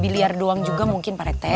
babi liar doang juga mungkin pak rete